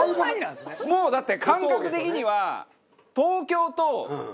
もうだって感覚的には。